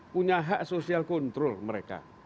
punya hak sosial kontrol mereka